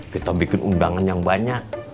kita bikin undangan yang banyak